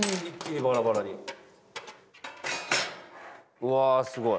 うわすごい！